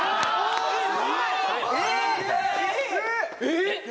えっ！？